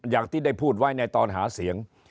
อย่างที่ได้พูดไว้ในตอนหาเสียง